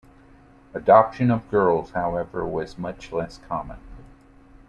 Adoption of girls, however, was much less common.